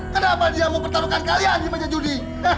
kenapa dia mau pertarungan kalian di meja judi